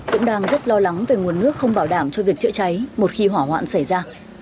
cũng đang rất lo lắng về nguồn nước không bảo đảm cho việc chữa cháy một khi hỏa hoạn xảy ra